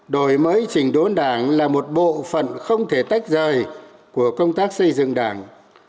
đổi mới trình đốn đảng là một bộ phận không thể tách rời của công tác xây dựng đảng